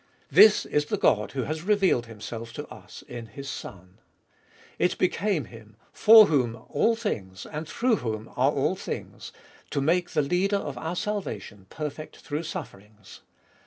This is the God who has revealed Himself to us in His Son. It became Him, for whom all things and through whom are all things, to make the Leader of our salvation perfect through sufferings.